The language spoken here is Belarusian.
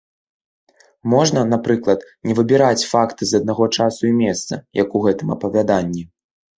Можна, напрыклад, не выбіраць факты з аднаго часу і месца, як у гэтым апавяданні.